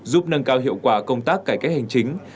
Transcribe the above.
giúp nâng cao hiệu quả công tác cải cách hành chính